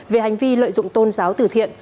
về hành vi lợi dụng tôn giáo tử thiện